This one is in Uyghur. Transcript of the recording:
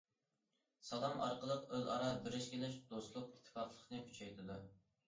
سالام ئارقىلىق ئۆزئارا بېرىش- كېلىش، دوستلۇق، ئىتتىپاقلىقنى كۈچەيتىدۇ.